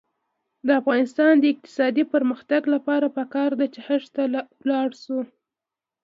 د افغانستان د اقتصادي پرمختګ لپاره پکار ده چې حج ته لاړ شو.